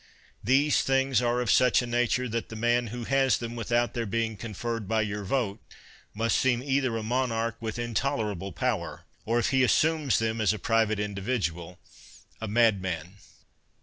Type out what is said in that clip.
These things are of such 79 THE WORLD'S FAMOUS ORATIONS a nature that the man who has them without their being conferred by your vote, must seem either a monarch with intolerable power, or if he assumes them as a private individual, a mad man.